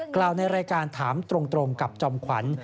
กล่าวในรายการถามตรงกับจอมขวัญ